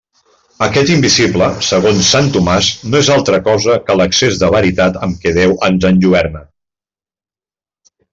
Aquest invisible, segons sant Tomàs, no és altra cosa que l'excés de veritat amb què Déu ens enlluerna.